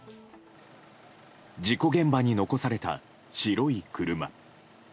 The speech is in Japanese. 事故現場に残された白い車。